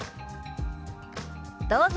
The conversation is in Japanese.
どうぞ。